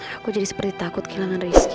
aku jadi seperti takut kehilangan rezeki